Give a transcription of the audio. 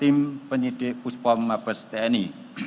sama dengan tim penyidik puspom mabes tni